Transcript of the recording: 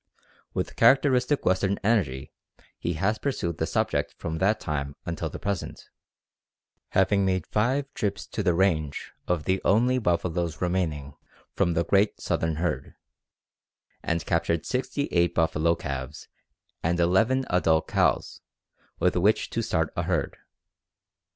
With characteristic Western energy he has pursued the subject from that time until the present, having made five trips to the range of the only buffaloes remaining from the great southern herd, and captured sixty eight buffalo calves and eleven adult cows with which to start a herd.